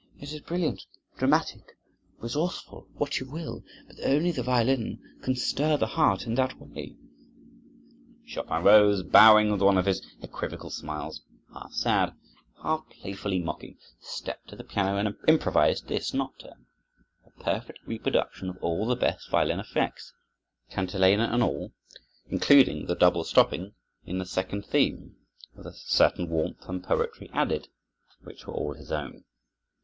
It is brilliant, dramatic, resourceful, what you will; but only the violin can stir the heart in that way." Chopin rose, bowing with one of his equivocal smiles, half sad, half playfully mocking, stepped to the piano and improvised this nocturne, a perfect reproduction of all the best violin effects, cantilena and all, including the double stopping in the second theme, with a certain warmth and poetry added, which were all his own.